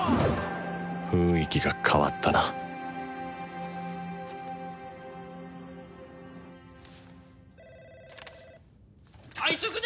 雰囲気が変わったな退職願！？